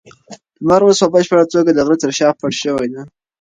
لمر اوس په بشپړه توګه د غره تر شا پټ شوی دی.